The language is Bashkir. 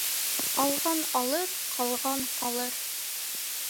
Алған алыр, ҡалған ҡалыр.